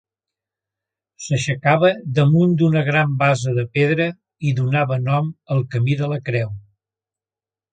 S'aixecava damunt d'una gran base de pedra i donava nom al Camí de la Creu.